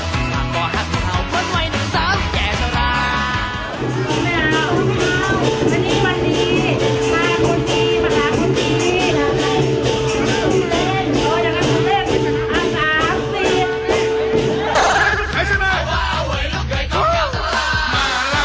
ตามปลอดฮัทธิเผาพ่อสไวหนึ่งทั้งแก่ชาวราศ